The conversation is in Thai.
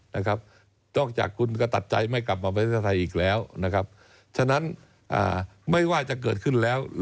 นอกจากคุณก็ตัดใจไม่กลับมาประเทศไทยอีกแล้ว